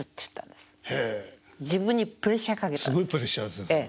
すごいプレッシャーですよ。